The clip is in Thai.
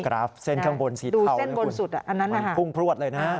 กราฟเส้นข้างบน๔เท่าดูเส้นบนสุดอันนั้นนะคะมันพุ่งพลวดเลยนะ